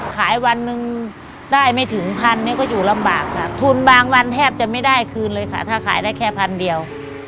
วันหนึ่งได้ไม่ถึงพันเนี่ยก็อยู่ลำบากค่ะทุนบางวันแทบจะไม่ได้คืนเลยค่ะถ้าขายได้แค่พันเดียว